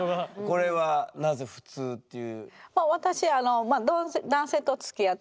これはなぜ「ふつう」っていう。